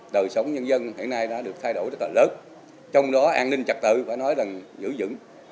đời sống nhân dân hiện nay đã được thay đổi rất là lớn trong đó an ninh trật tự phải nói là giữ dững